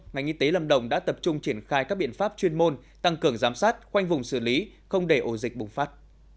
ngành y tế lâm đồng đã tập trung triển khai các biện pháp chuyên môn tăng cường giám sát khoanh vùng xử lý không để ổ dịch bùng phát